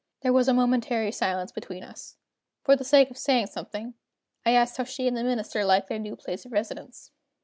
There was a momentary silence between us. For the sake of saying something, I asked how she and the Minister liked their new place of residence.